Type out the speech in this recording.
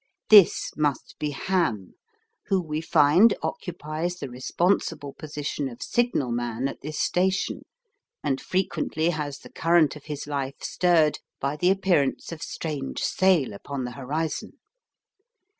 This must be Ham, who we find occupies the responsible position of signalman at this station, and frequently has the current of his life stirred by the appearance of strange sail upon the horizon.